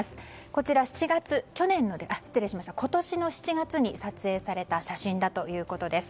こちら今年の７月に撮影された写真だということです。